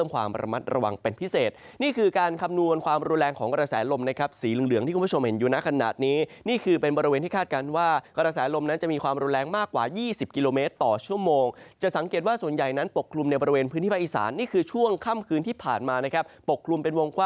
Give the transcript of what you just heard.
ความระมัดระวังเป็นพิเศษนี่คือการคำนวณความรุนแรงของกระแสลมนะครับสีเหลืองที่คุณผู้ชมเห็นอยู่ในขณะนี้นี่คือเป็นบริเวณที่คาดการณ์ว่ากระแสลมนั้นจะมีความรุนแรงมากกว่า๒๐กิโลเมตรต่อชั่วโมงจะสังเกตว่าส่วนใหญ่นั้นปกคลุมในบริเวณพื้นที่ภาคอีสานนี่คือช่วงค่ำคืนที่ผ่านมานะครับปกคลุมเป็นวงกว